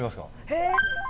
えっ！？